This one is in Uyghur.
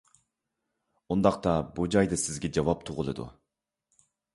ئۇنداقتا بۇ جايدا سىزگە جاۋاب تۇغۇلىدۇ.